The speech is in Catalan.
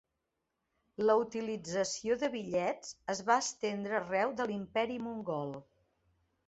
La utilització de bitllets es va estendre arreu de l'imperi mongol.